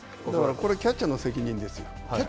これキャッチャーの責任ですよ。